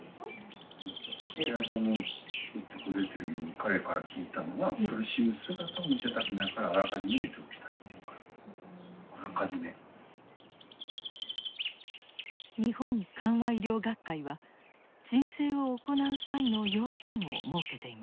彼から聞いたのは日本緩和医療学会は鎮静を行う際の要件を設けています。